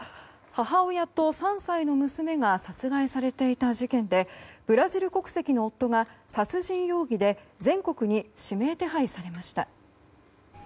母親と３歳の娘が殺害されていた事件でブラジル国籍の夫が殺人容疑で全国に指名手配されました。